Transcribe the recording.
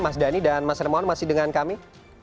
mas dhani dan mas hermawan masih dengan kami